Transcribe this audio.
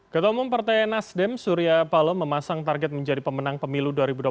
ketemu partai nasdem surya paloh memasang target menjadi pemenang pemilu dua ribu dua puluh empat